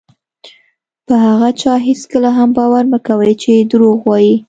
په هغه چا هېڅکله هم باور مه کوئ چې دروغ وایي.